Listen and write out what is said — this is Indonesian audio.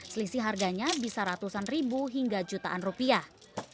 selisih harganya bisa ratusan ribu hingga jutaan rupiah